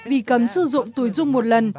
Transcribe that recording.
vì cấm sử dụng túi dung một lần